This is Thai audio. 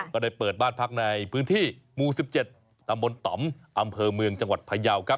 ก็ได้เปิดบ้านพักในพื้นที่หมู่๑๗ตำบลต่อมอำเภอเมืองจังหวัดพยาวครับ